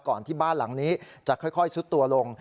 ที่บ้านหลังนี้จะค่อยซุดตัวลง